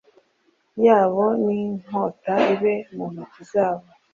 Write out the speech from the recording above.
yabo n inkota ibe mu ntoki zabo